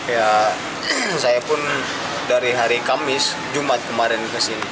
ya saya pun dari hari kamis jumat kemarin kesini